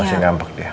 pasti ngambek dia